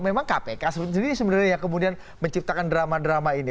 memang kpk sendiri sebenarnya yang kemudian menciptakan drama drama ini